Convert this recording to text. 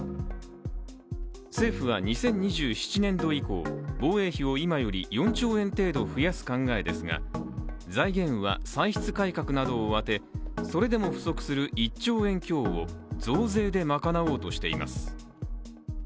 政府は２０２７年度以降、防衛費を今より４兆円程度増やす考えですが財源は歳出改革などを充てそれでも不足する１兆円強を増税で賄おうとしています。